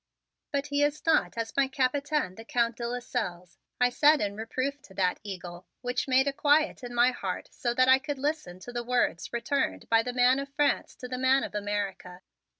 "But he is not as my Capitaine, the Count de Lasselles," I said in reproof to that eagle, which made a quiet in my heart so that I could listen to the words returned by the man of France to the man of America.